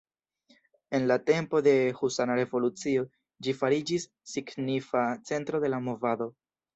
En la tempo de husana revolucio ĝi fariĝis signifa centro de la movado.